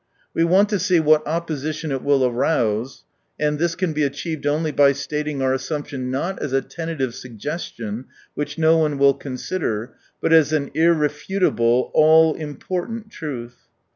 We want to see what opposition it will arouse, and this can be achieved only by stating our assumption not as a tentative suggestion, which no one will consider, but as an irrefutable, all important truth.